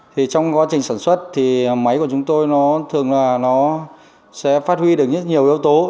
thì trong quá trình sản xuất thì máy của chúng tôi nó thường là nó sẽ phát huy được rất nhiều yếu tố